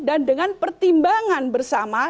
dan dengan pertimbangan bersama